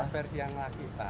versi yang laki pak